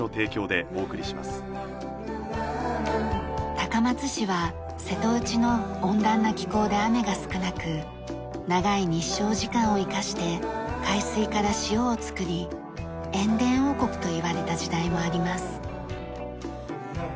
高松市は瀬戸内の温暖な気候で雨が少なく長い日照時間を生かして海水から塩を作り塩田王国といわれた時代もあります。